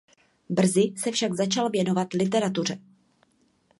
Brzy se však začal věnovat literatuře.